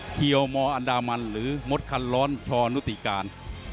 เขียวมอันดามันหรือมดคันร้อนชอนุติการ